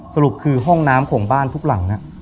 สรุปคือห้องน้ำของบ้านทุกหลัง